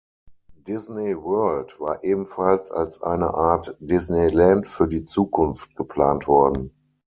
Disney World war ebenfalls als eine Art Disneyland für die Zukunft geplant worden.